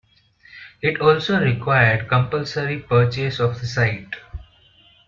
It also required compulsory purchase of the site.